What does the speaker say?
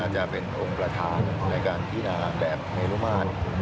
จะเป็นองค์ประธานในการพินาแบบเมลุมาตร